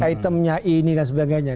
itemnya ini dan sebagainya